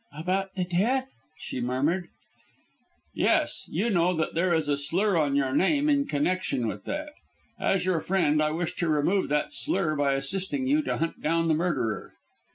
"About the death?" she murmured. "Yes! You know that there is a slur on your name in connection with that. As your friend, I wish to remove that slur by assisting you to hunt down the murderer."